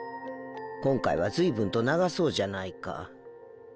今回は随分と長そうじゃないか。